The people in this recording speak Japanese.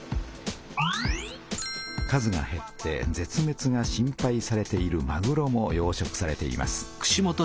数がへって絶滅が心配されているまぐろも養殖されています。